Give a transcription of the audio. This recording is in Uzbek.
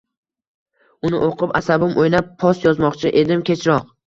Uni o‘qib asabim o‘ynab, post yozmoqchi edim kechroq.